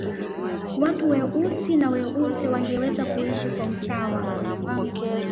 watu weusi na weupe wangeweza kuishi kwa usawa